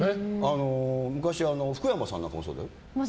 昔、福山さんなんかもそうだよ。